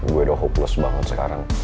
gue udah hopeless banget sekarang